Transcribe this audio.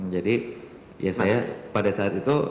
jadi ya saya pada saat itu